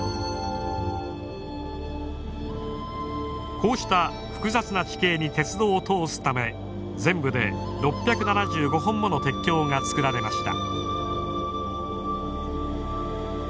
こうした複雑な地形に鉄道を通すため全部で６７５本もの鉄橋が造られました。